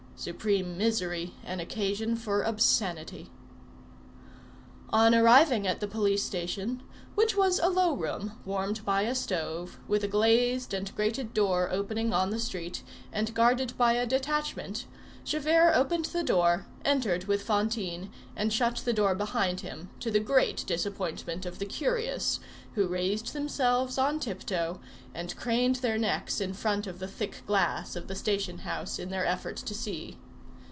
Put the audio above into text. Supreme misery an occasion for obscenity. On arriving at the police station, which was a low room, warmed by a stove, with a glazed and grated door opening on the street, and guarded by a detachment, Javert opened the door, entered with Fantine, and shut the door behind him, to the great disappointment of the curious, who raised themselves on tiptoe, and craned their necks in front of the thick glass of the station house, in their effort to see.